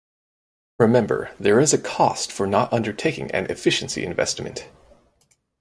Remember there is a cost for not undertaking an efficiency investment.